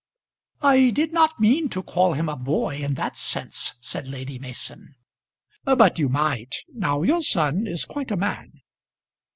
"I did not mean to call him a boy in that sense," said Lady Mason. "But you might; now your son is quite a man."